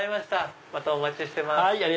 またお待ちしてます。